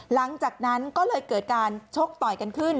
หลังจากนั้นก็เลยเกิดการชกต่อยกันขึ้น